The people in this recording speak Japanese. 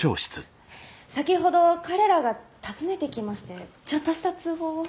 先ほど彼らが訪ねてきましてちょっとした通報を。